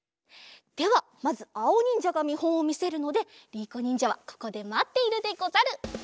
ではまずあおにんじゃがみほんをみせるのでりいこにんじゃはここでまっているでござる。